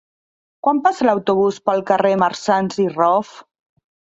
Quan passa l'autobús pel carrer Marsans i Rof?